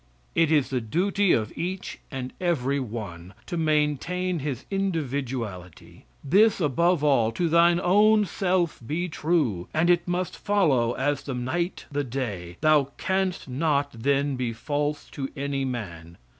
It is the duty of each and every one to maintain his individuality. "This above all, to thine own self be true, and it must follow as the night the day, thou canst not then be false to any man."